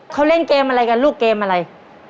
เขาเล่นเกมอะไรกันลูกเกมอะไร